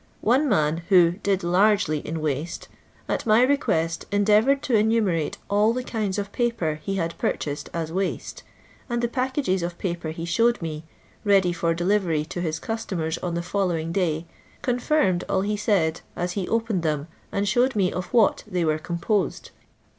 One man, who " did largely in waste," at my request endeavoured to enumerate all the kinds of paper he had porchased as waste, and the packages of paper he showed me, ready for delivery to his customers on the following day, confirmed all he said as he opened them and showed me of what they were composed.